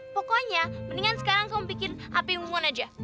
pokoknya mendingan sekarang kamu bikin hape ngumon aja